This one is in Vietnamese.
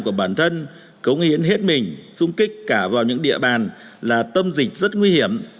các lực lượng vũ trang của bản thân cống hiến hết mình xung kích cả vào những địa bàn là tâm dịch rất nguy hiểm